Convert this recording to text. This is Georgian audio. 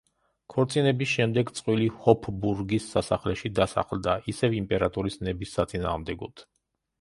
ქორწინების შემდეგ წყვილი ჰოფბურგის სასახლეში დასახლდა, ისევ იმპერატორის ნების საწინააღმდეგოდ.